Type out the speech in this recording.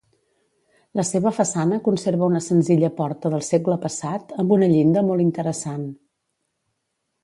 La seva façana conserva una senzilla porta del segle passat amb una llinda molt interessant.